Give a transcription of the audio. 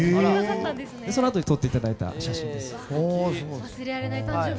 そのあとに撮っていただいた写真です。